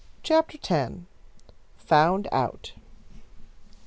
CHAPTER X. "FOUND OUT."